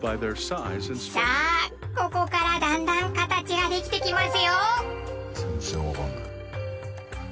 さあここからだんだん形ができてきますよ。